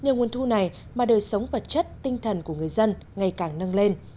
nhờ nguồn thu này mà đời sống vật chất tinh thần của người dân ngày càng nâng lên